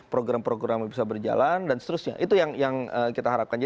program program yang bisa berjalan dan seterusnya itu yang kita harapkan